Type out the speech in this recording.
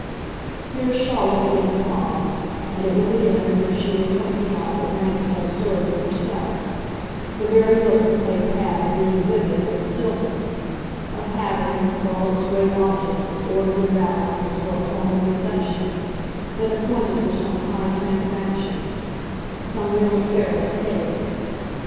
Here Charlotte again paused, and it was again as if she were pointing out what Maggie had observed for herself, the very look the place had of being vivid in its stillness, of having, with all its great objects as ordered and balanced as for a formal reception, been appointed for some high transaction, some real affair of state.